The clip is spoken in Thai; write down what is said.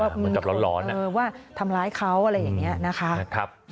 เหมือนกับร้อนว่าทำร้ายเขาอะไรอย่างนี้นะคะ